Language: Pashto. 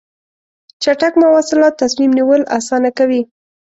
چټک مواصلات تصمیم نیول اسانه کوي.